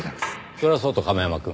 それはそうと亀山くん。